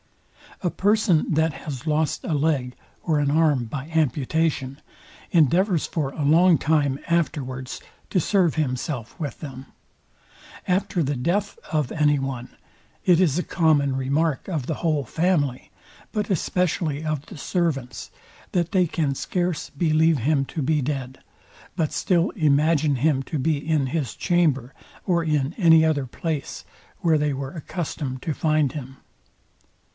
A person, that has lost a leg or an arm by amputation, endeavours for a long time afterwards to serve himself with them. After the death of any one, it is a common remark of the whole family, but especially of the servants, that they can scarce believe him to be dead, but still imagine him to be in his chamber or in any other place, where they were accustomed to find him.